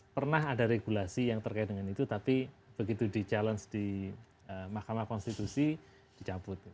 pernah ada regulasi yang terkait dengan itu tapi begitu di challenge di mahkamah konstitusi dicabut